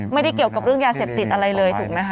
ไม่ได้เกี่ยวกับเรื่องยาเสพติดอะไรเลยถูกไหมคะ